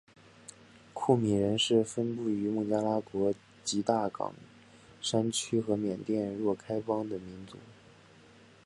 库米人是分布于孟加拉国吉大港山区和缅甸若开邦的民族。